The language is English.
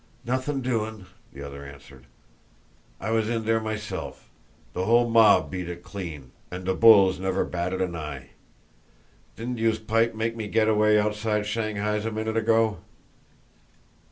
"Nuthin' doin'!" the other answered. "I was in dere meself. De whole mob beat it clean, an' de bulls never batted an eye. Didn't youse pipe me make me get away outer Shanghai's a minute ago?